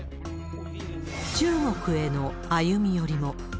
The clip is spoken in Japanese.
中国への歩み寄りも。